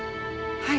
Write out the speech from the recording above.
はい。